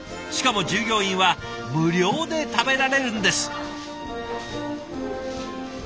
しかも従業員は無料で食べられるんです。